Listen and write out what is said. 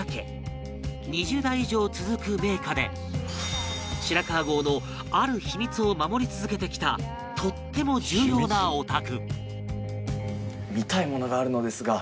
２０代以上続く名家で白川郷のある秘密を守り続けてきたとっても重要なお宅